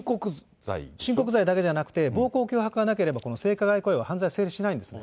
親告罪だけじゃなくて、暴行、脅迫がなければ、この犯罪成立しないんですね。